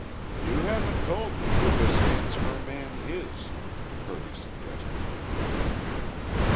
"You haven't told me who this handsomer man is," Kirby suggested.